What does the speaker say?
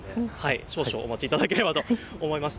少々お待ちいただければと思います。